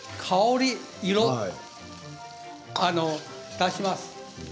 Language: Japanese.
香り、色、出します。